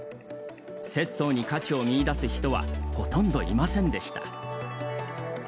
拙宗に価値を見出す人はほとんどいませんでした。